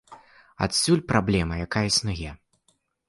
Адсюль праблема, якая існуе.